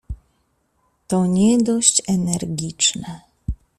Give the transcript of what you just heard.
— To nie dość energiczne.